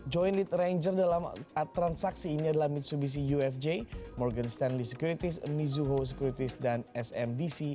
joint lead ranger dalam transaksi ini adalah mitsubishi ufj morgan stainley securities amizuho securities dan smbc